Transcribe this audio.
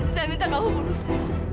saya minta kamu bunuh saya